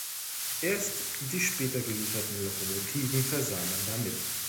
Erst die später gelieferten Lokomotiven versah man damit.